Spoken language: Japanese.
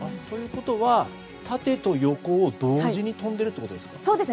ということは、縦と横を同時に跳んでいるということですか？